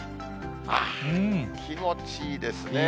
気持ちいいですね。